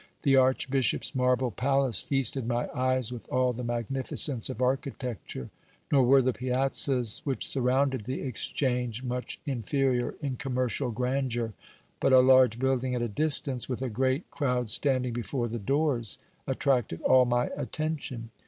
The archbishop's marble palace feasted my eyes with all the magnificence of architecture ; nor were the piazzas which surrounded the exchange much in ferior in commercial grandeur ; but a large building at a distance, with a great crowd standing before the doors, attracted all my attention.